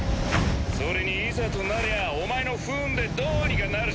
それにいざとなりゃお前の不運でどうにかなるしな。